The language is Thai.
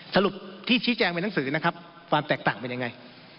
สรุปที่ชี้แจงเป็นหนังสือนะครับความแตกต่างเป็นยังไง